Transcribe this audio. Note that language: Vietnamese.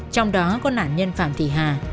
trong đó có nạn nhân phạm thị hà